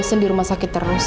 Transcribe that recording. sekarang pengganti terserah